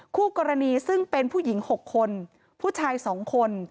คู่กรณีซึ่งเป็นผู้หญิง๖คนผู้ชาย๒คน